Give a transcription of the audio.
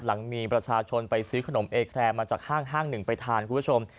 หลังมีประชาชนไปซื้อขนมเอแครมาจากห้างหนึ่งไปทานคุณผู้ชม